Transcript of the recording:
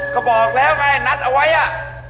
ก็บอกแล้วไงนัดเอาไว้อ่ะ